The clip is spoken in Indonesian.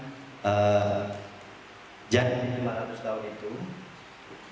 janji lima ratus tahun itu